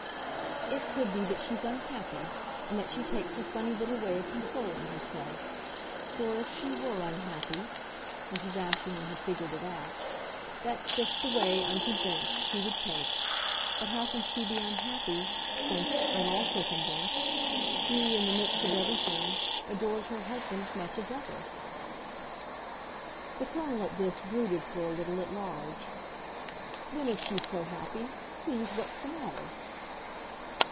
"It could be that she's unhappy, and that she takes her funny little way of consoling herself. For if she were unhappy" Mrs. Assingham had figured it out "that's just the way, I'm convinced, she would take. But how can she be unhappy, since as I'm also convinced she, in the midst of everything, adores her husband as much as ever?" The Colonel at this brooded for a little at large. "Then if she's so happy, please what's the matter?"